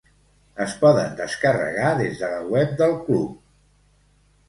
Es poden descarregar des de la web del club.